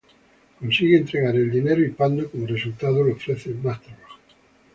Consigue entregar el dinero y Pando, como resultado, le ofrece más trabajo.